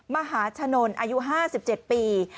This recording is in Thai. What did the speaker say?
มหาธนตร์อายุ๕๗ปี